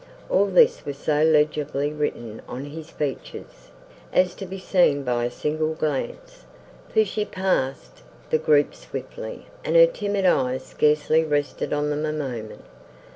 All this was so legibly written on his features, as to be seen by a single glance, for she passed the group swiftly, and her timid eyes scarcely rested on them a moment.